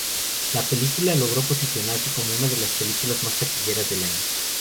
La película logró posicionarse como una de las películas más taquilleras del año.